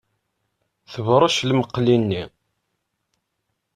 Tebṛec lmeqli-nni.